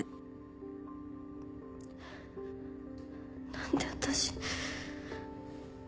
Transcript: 何で私。